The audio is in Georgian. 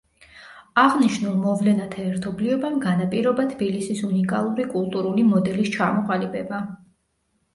აღნიშნულ მოვლენათა ერთობლიობამ განაპირობა თბილისის უნიკალური კულტურული მოდელის ჩამოყალიბება.